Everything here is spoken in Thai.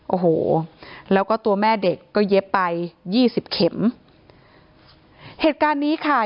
โอ้โหแล้วก็ตัวแม่เด็กก็เย็บไปยี่สิบเข็มเหตุการณ์นี้ค่ะ